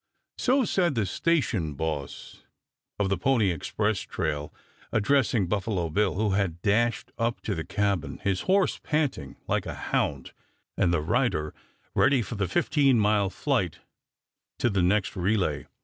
So said the station boss of the Pony Express trail, addressing Buffalo Bill, who had dashed up to the cabin, his horse panting like a hound, and the rider ready for the fifteen mile flight to the next relay.